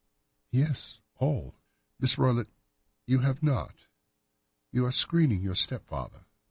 "Yes, all." "Miss Roylott, you have not. You are screening your stepfather."